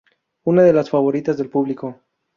Una de las favoritas del público.